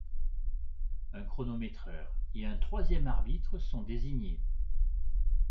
Un chronométreur et un troisième arbitre sont désignés.